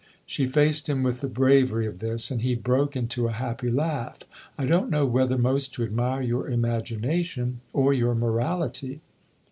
" She faced him with the bravery of this, and he broke into a happy laugh. " I don't know whether most to admire your imagination or your morality."